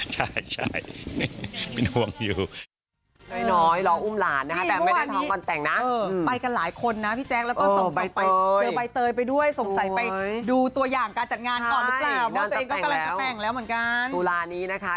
ต้องไปบอกว่ามีการตกบ่าหลวงให้ดูแลดีนะ